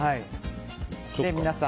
皆さん